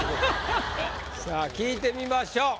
さあ聞いてみましょう。